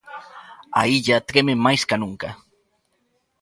A illa treme máis ca nunca.